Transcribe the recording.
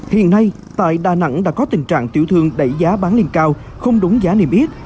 hiện nay tại đà nẵng đã có tình trạng tiểu thương đẩy giá bán liên cao không đúng giá niềm ít